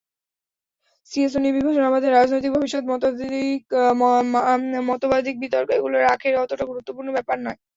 শিয়া-সুন্নি বিভাজন, আসাদের রাজনৈতিক ভবিষ্যৎ, মতবাদিক বিতর্ক—এগুলো আখেরে অতটা গুরুত্বপূর্ণ ব্যাপার নয়।